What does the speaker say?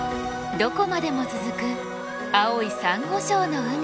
どこまでも続く青いサンゴ礁の海。